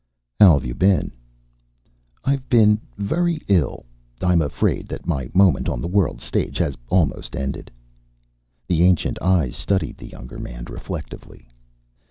"How have you been?" "I've been very ill. I'm afraid that my moment on the world's stage has almost ended." The ancient eyes studied the younger man reflectively.